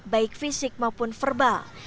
baik fisik maupun verbal